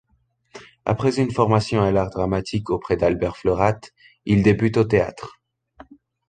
Après une formation à l'art dramatique auprès d'Albert Florath, il débute au théâtre.